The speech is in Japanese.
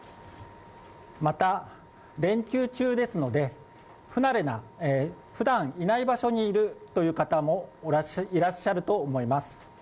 また、連休中ですので、ふだんいない場所にいるという方もいらっしゃると思います。